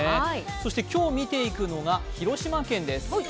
そして今日見ていくのが広島県です。